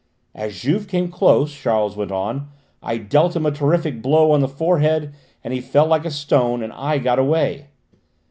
"As Juve came close," Charles went on, "I dealt him a terrific blow on the forehead, and he fell like a stone. And I got away!"